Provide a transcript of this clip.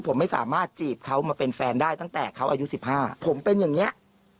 ผมไม่สามารถจีบเขามาเป็นแฟนได้ตั้งแต่เขาอายุ๑๕ผมเป็นอย่างนี้